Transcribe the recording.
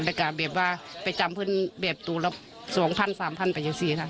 แล้วก็แบบว่าไปจำเพื่อนแบบตัวละ๒๐๐๐๓๐๐๐ไปอย่างนี้ค่ะ